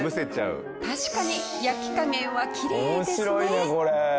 確かに焼き加減はキレイですね。